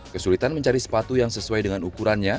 kesulitan mencari sepatu yang sesuai dengan ukurannya